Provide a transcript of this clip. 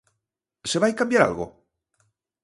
Se vai cambiar algo?